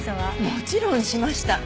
もちろんしました。